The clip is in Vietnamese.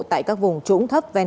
tại các vùng trũng thấp ven sông